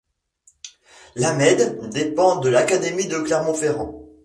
Lamaids dépend de l'académie de Clermont-Ferrand.